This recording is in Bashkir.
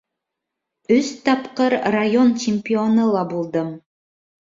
Өс тапҡыр район чемпионы ла булдым.